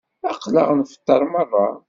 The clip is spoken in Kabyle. Aql-aɣ nfeṭṭer merra.